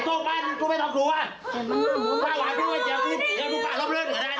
ถ้าหวานพี่ด้วยเดี๋ยวกินเดี๋ยวทุกคนรอบเลือกหน่อยนะ